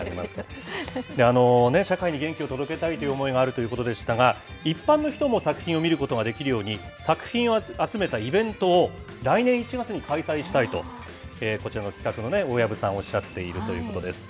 社会に元気を届けたいという思いがあるということでしたが、一般の人も作品を見ることができるように、作品を集めたイベントを、来年１月に開催したいと、こちらの企画の大藪さん、おっしゃっているということです。